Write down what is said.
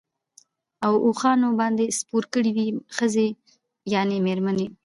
او اوښانو باندي سپور کړی وې، ښځي يعني ميرمنې